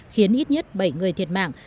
khiến ít nhất bảy người thiệt mạng